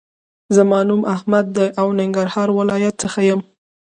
زما نوم احمد دې او ننګرهار ولایت څخه یم